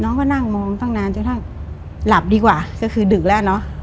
น้องก็นั่งมองตั้งนานจนถ้าหลับดีกว่าก็คือดึกแล้วเนอะ